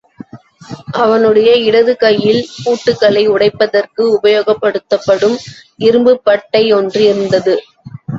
அவனுடைய இடதுகையில் பூட்டுக்களை உடைப்பதற்கு உபயோகிக்கப்படும் இரும்புப் பட்டையொன்று இருந்தது.